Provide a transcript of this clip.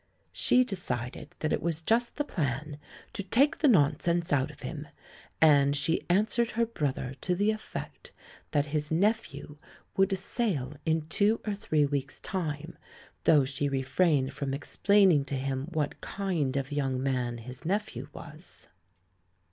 She decided that it was just the plan "to take the nonsense out of him"; and she answered her brother to the effect that his nephew would sail in two or three weeks' time, thoui^h she refrained from explaining to him what kind of young man his nephew was.